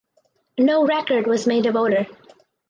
No record was made of odour.